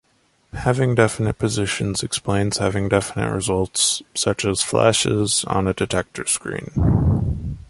Having definite positions explains having definite results such as flashes on a detector screen.